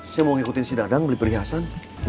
saya mau ngikutin si dadang beli perhiasan